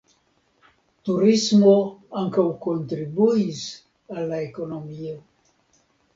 Turismo ankaŭ kontribuis al la ekonomio.